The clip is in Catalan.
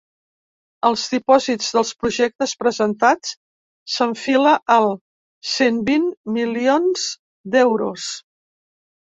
Els dipòsits dels projectes presentats s’enfila als cent vint milions d’euros.